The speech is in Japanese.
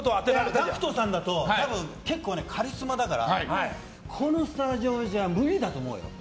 ＧＡＣＫＴさんだと多分、結構カリスマだからこのスタジオじゃ無理だと思うよ。